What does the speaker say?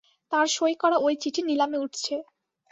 তাঁর সই করা ওই চিঠি নিলামে উঠছে।